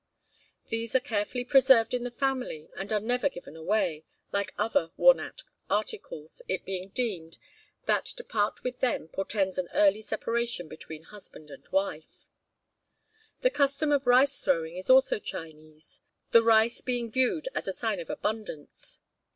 'These are carefully preserved in the family and are never given away, like other worn out articles, it being deemed, that to part with them portends an early separation between husband and wife.' The custom of rice throwing is also Chinese, the rice being viewed as a sign of abundance.